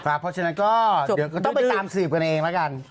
เพราะฉะนั้นก็ต้องไปตามสืบกันเองมากัน